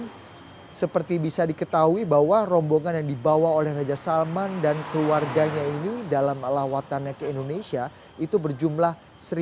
dan seperti bisa diketahui bahwa rombongan yang dibawa oleh raja salman dan keluarganya ini dalam lawatannya ke indonesia itu berjumlah satu lima ratus